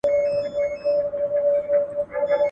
ډېر پخوا چي نه موټر او نه سایکل و